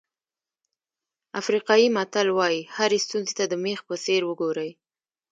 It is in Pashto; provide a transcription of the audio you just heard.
افریقایي متل وایي هرې ستونزې ته د مېخ په څېر وګورئ.